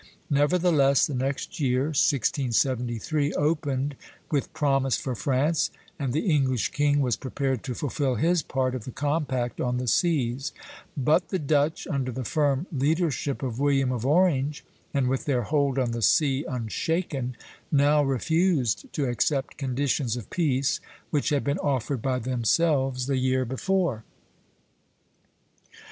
Nevertheless the next year, 1673, opened with promise for France, and the English king was prepared to fulfil his part of the compact on the seas; but the Dutch, under the firm leadership of William of Orange, and with their hold on the sea unshaken, now refused to accept conditions of peace which had been offered by themselves the year before.